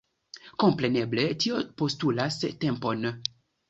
Kompreneble tio postulas tempon.